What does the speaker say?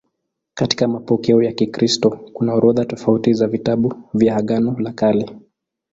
Katika mapokeo ya Kikristo kuna orodha tofauti za vitabu vya Agano la Kale.